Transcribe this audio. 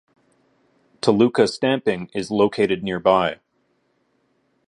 Toluca Stamping is located nearby.